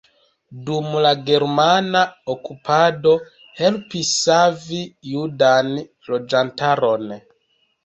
Dum la germana okupado helpis savi judan loĝantaron.